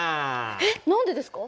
えっ何でですか？